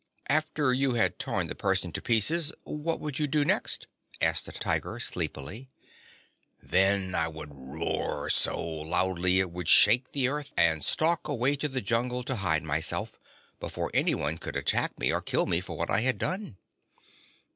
"After you had torn the person to pieces, what would you do next?" asked the Tiger sleepily. "Then I would roar so loudly it would shake the earth and stalk away to the jungle to hide myself, before anyone could attack me or kill me for what I had done."